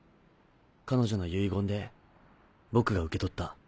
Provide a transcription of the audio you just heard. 彼女の遺言で僕が受け取った。